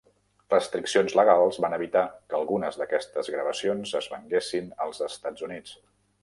Restriccions legals van evitar que algunes d'aquestes gravacions es venguessin als Estats Units.